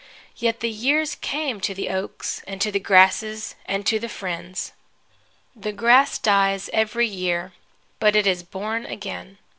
Yet the years came, to the oaks and to the grasses and to the friends. The grass dies every year, but it is born again.